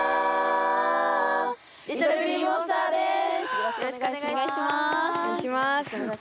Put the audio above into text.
よろしくお願いします。